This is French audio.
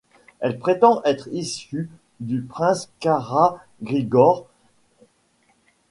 Elle prétend être issue du prince Kara Grigor, i.e.